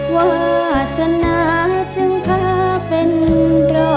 วาสนาจึงพาเป็นรอ